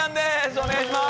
お願いします。